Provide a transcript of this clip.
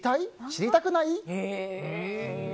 知りたくない？